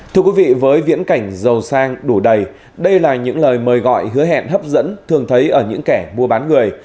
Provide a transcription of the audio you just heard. thưa quý vị với viễn cảnh giàu sang đủ đầy đây là những lời mời gọi hứa hẹn hấp dẫn thường thấy ở những kẻ mua bán người